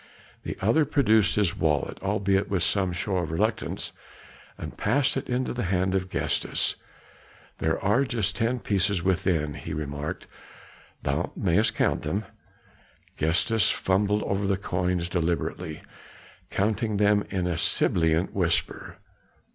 The other produced his wallet, albeit with some show of reluctance, and passed it into the hand of Gestas. "There are just ten pieces within," he remarked. "Thou mayest count them." Gestas fumbled over the coins deliberately, counting them in a sibilant whisper.